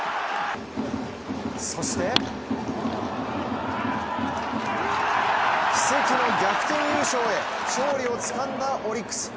そして奇跡の逆転優勝へ勝利をつかんだオリックス。